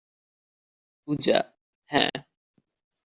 পূজা, - হ্যাঁ।